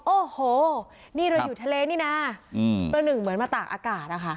โอ้โหนี่เราอยู่ทะเลนี่นะประหนึ่งเหมือนมาตากอากาศนะคะ